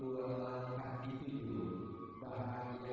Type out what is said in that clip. bahagia yang terhormati